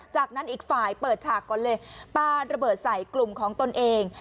จากนั้นอีกฝ่ายเปิดฉากก่อนเลยปลาระเบิดใส่กลุ่มของตนเอง